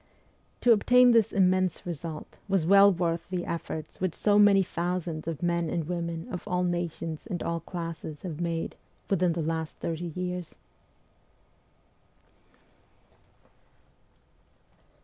To obtain this immense result was well worth the efforts which so many thousands of men and women of all nations and all classes have made within the last thirty years.